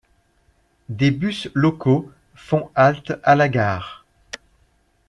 Des bus locaux font halte à la gare.